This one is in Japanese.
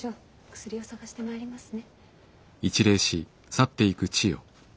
薬を探してまいりますね。